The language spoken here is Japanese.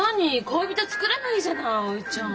恋人作ればいいじゃない葵ちゃん。